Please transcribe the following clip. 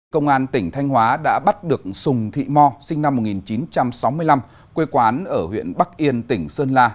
công an tỉnh thanh hóa đã bắt được sùng thị mo sinh năm một nghìn chín trăm sáu mươi năm quê quán ở huyện bắc yên tỉnh sơn la